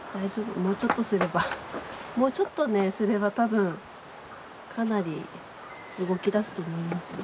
もうちょっとすればもうちょっとねすれば多分かなり動きだすと思いますよ。